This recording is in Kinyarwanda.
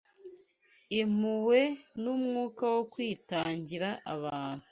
impuhwe n’umwuka wo kwitangira abantu